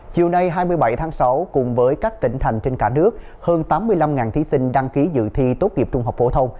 chiều nay hai mươi bảy tháng sáu cùng với các tỉnh thành trên cả nước hơn tám mươi năm thí sinh đăng ký dự thi tốt nghiệp trung học phổ thông